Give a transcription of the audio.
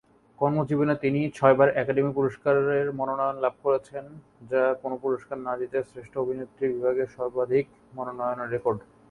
কর্মজীবনে তিনি ছয়বার একাডেমি পুরস্কারের মনোনয়ন লাভ করেছেন, যা কোন পুরস্কার না জিতে শ্রেষ্ঠ অভিনেত্রী বিভাগে সর্বাধিক মনোনয়নের রেকর্ড।